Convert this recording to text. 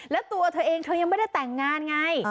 แล้วตัวเธอเองเธอยังไม่ได้แต่งงานไง